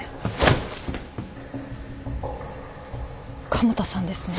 加茂田さんですね。